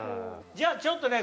じゃあちょっとね